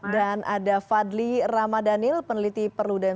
dan ada fadli ramadhanil peneliti perludem